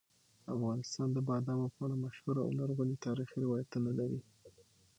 افغانستان د بادامو په اړه مشهور او لرغوني تاریخي روایتونه لري.